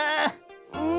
うん。